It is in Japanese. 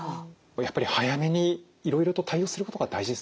やっぱり早めにいろいろと対応することが大事ですね。